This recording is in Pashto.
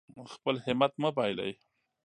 خپل همت مه بایلئ.